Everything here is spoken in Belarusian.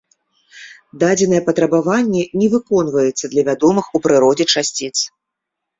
Дадзенае патрабаванне не выконваецца для вядомых у прыродзе часціц.